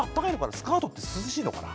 スカートって涼しいのかな。